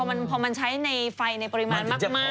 พอมันใช้ในไฟในปริมาณมาก